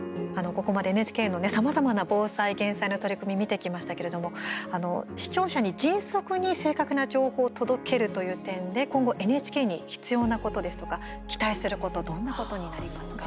ここまでＮＨＫのさまざまな防災・減災の取り組み見てきましたけれども視聴者に迅速に正確な情報を届けるという点で今後ＮＨＫに必要なことですとか期待することどんなことになりますか。